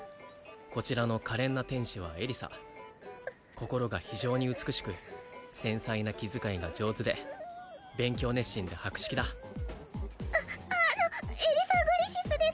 こちらの可憐な天使はエリサ心が非常に美しく繊細な気遣いが上手で勉強熱心で博識だああのエリサ＝グリフィスです